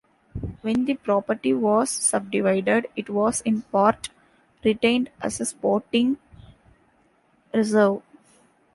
When the property was subdivided, it was in part retained as a sporting reserve.